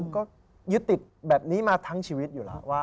ก็ยึดติดแบบนี้มาทั้งชีวิตอยู่แล้วว่า